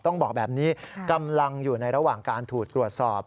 ต้องบอกแบบนี้กำลังอยู่ในระหว่างการถูกตรวจสอบ